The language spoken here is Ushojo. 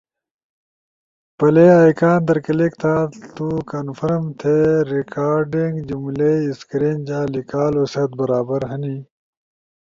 ، پلے ائیکان در کلک تھا۔ تو کنفرم تھی ریکارڈنگ جملئی اسکرین جا لیکالو ست برابر ہنی۔